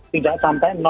tidak sampai